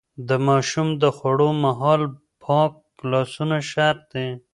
د ماشوم د خوړو مهال پاک لاسونه شرط دي.